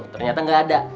ternyata gak ada